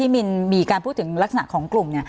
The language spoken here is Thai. มินมีการพูดถึงลักษณะของกลุ่ม